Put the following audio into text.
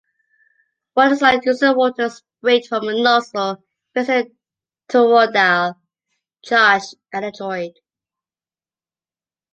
One design uses water sprayed from a nozzle facing a toroidal charged electrode.